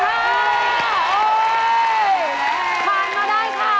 ผ่านมาได้ค่ะ